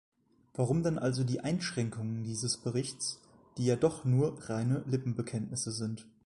Warum dann also die Einschränkungen dieses Berichts, die ja doch nur reine Lippenbekenntnisse sind?